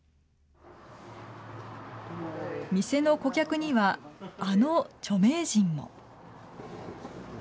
店の顧客には、あの著名人も。